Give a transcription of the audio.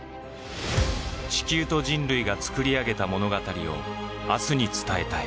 地球と人類が作り上げた物語を明日に伝えたい。